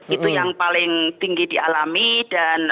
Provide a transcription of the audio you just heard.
itu yang paling tinggi dialami dan